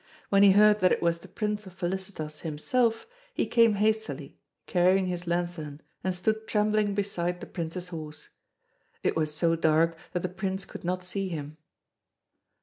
When he heard that it was the Prince of Felicitas himself, he came hastily, carrying his lanthorn, and stood trembling beside the Prince's horse. It was so dark that the Prince could not see him.